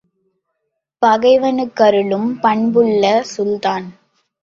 பகைவனுக்கருளும் பண்புள்ள சுல்தான்!